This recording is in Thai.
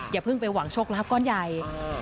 อย่าเพิ่งไปหวังโชคลาภก้อนใหญ่